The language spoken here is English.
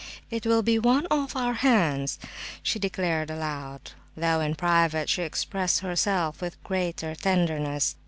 "It will be one off our hands!" she declared aloud, though in private she expressed herself with greater tenderness.